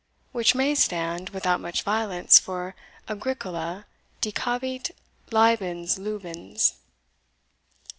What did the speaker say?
which may stand, without much violence, for Agricola Dicavit Libens Lubens."